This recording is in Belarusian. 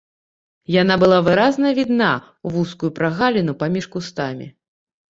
Яна была выразна відна ў вузкую прагаліну паміж кустамі.